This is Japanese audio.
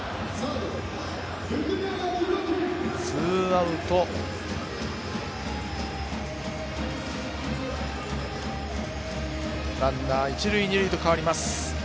ツーアウトランナー、一塁二塁に変わります。